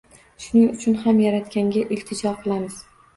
Shuning uchun ham Yaratganga iltijo qilamiz.